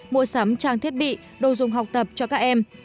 mua sắm trang thiết bị đồ dùng học tập cho các em